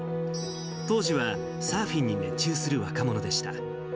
当時はサーフィンに熱中する若者でした。